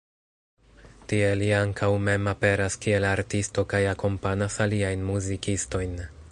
Tie li ankaŭ mem aperas kiel artisto kaj akompanas aliajn muzikistojn.